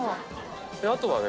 あとはね